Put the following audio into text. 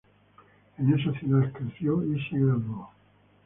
En esa ciudad creció y se graduó.